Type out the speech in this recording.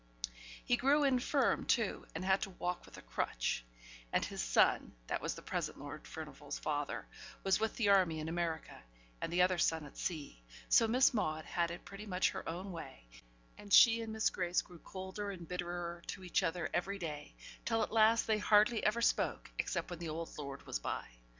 He grew infirm too, and had to walk with a crutch; and his son that was the present Lord Furnivall's father was with the army in America, and the other son at sea; so Miss Maude had it pretty much her own way, and she and Miss Grace grew colder and bitterer to each other every day; till at last they hardly ever spoke, except when the old lord was by.